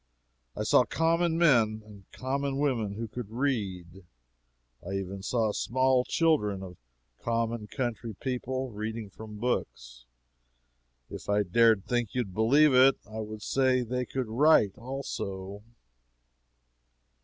I saw common men and common women who could read; I even saw small children of common country people reading from books; if I dared think you would believe it, I would say they could write, also.